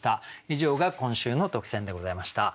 以上が今週の特選でございました。